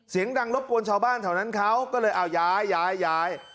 เสียงดังรบกวนชาวบ้านแถวนั้นเขาก็เลยเอาย้าย